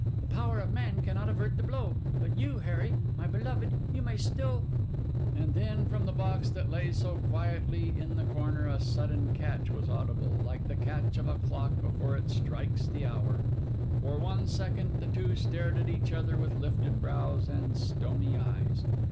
'The power of man cannot avert the blow. But you, Harry—you, my beloved—you may still—' And then from the box that lay so quietly in the corner, a sudden catch was audible, like the catch of a clock before it strikes the hour. For one second the two stared at each other with lifted brows and stony eyes.